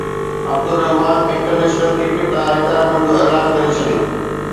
Abdulrahman international cricket تان retirement جو اعلان ڪري ڇڏيو